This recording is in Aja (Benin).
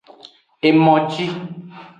Emoji.